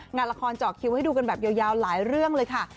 งานละครเจาะคิวให้ดูกันแบบยาวหลายเรื่องเลยค่ะ